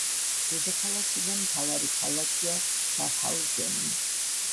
დედაქალაქი და მთავარი ქალაქია შაფჰაუზენი.